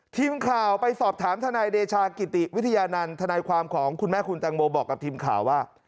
ทีมข่าวไปสอบถามทนายเดชากิติวิทยานันต์ทนายความของคุณแม่คุณแตงโมบอกกับทีมข่าวว่า